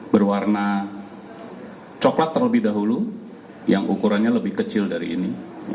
berwarna coklat terlebih dahulu yang ukurannya lebih kecil dari ini